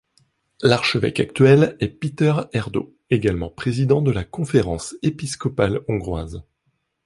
L'archevêque actuel est Péter Erdõ, également président de la conférence épiscopale hongroise.